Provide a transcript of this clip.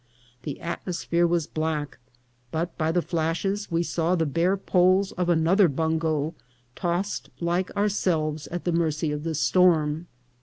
The atmosphere was black ; but by the flashes we saw the bare poles of another bungo, tossed, like ourselves, at the mercy of the storm.